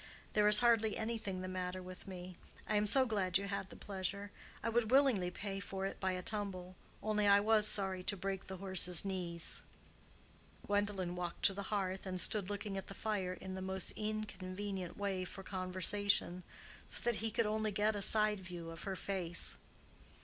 "There is hardly any thing the matter with me. I am so glad you had the pleasure: I would willingly pay for it by a tumble, only I was sorry to break the horse's knees." Gwendolen walked to the hearth and stood looking at the fire in the most inconvenient way for conversation, so that he could only get a side view of her face.